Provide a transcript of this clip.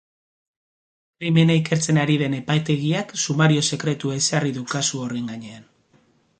Krimena ikertzen ari den epaitegiak sumario-sekretua ezarri du kasu horren gainean.